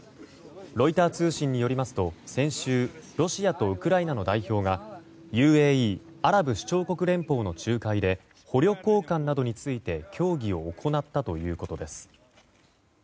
ロイター通信によりますと先週、ロシアとウクライナの代表がＵＡＥ・アラブ首長国連邦の仲介で捕虜交換などについて協議を行ったということです。